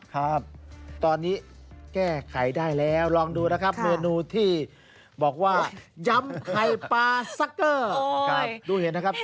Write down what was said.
เห็นหน้าแล้วไม่กล้ากิน